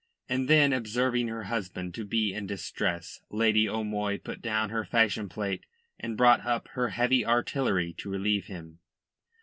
And then, observing her husband to be in distress, Lady O'Moy put down her fashion plate and brought up her heavy artillery to relieve him.